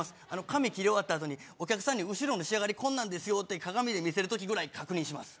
髪切り終わったあとにお客さんに後ろの仕上がりこんなんですよーって鏡で見せる時ぐらい確認します